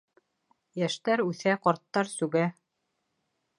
Йәштәр үҫә, ҡарттар сүгә.